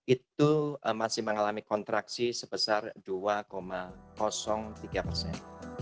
itu masih mengalami kontraksi sebesar dua tiga persen